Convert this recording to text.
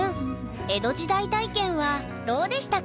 江戸時代体験はどうでしたか？